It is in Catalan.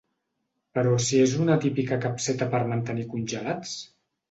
Però si és una típica capseta per mantenir congelats!